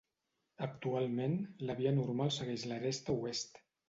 Actualment, la via normal segueix l'aresta oest.